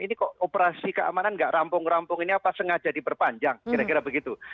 ini kok operasi keamanan nggak rampung rampung ini apa sengaja diperpanjang kira kira begitu